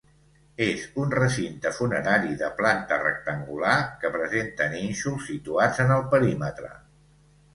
És un recinte funerari de planta rectangular, que presenta nínxols situats en el perímetre.